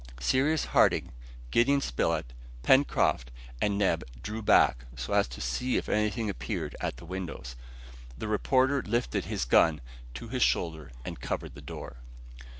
Cyrus Harding, Gideon Spilett, Pencroft, and Neb drew back, so as to see if anything appeared at the windows. The reporter lifted his gun to his shoulder and covered the door.